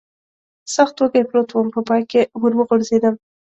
سخت وږی پروت ووم، په پای کې ور وغورځېدم.